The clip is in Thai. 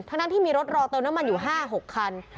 ทั้งนั้นที่มีรถรอเติมน้ำมันอยู่๕๖คัน